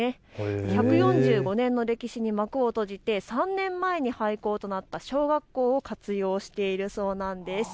１４５年の歴史に幕を閉じて３年前に廃校となった小学校を活用しているそうなんです。